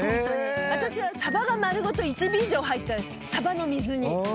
私は鯖がまるごと１尾以上入った鯖の水煮。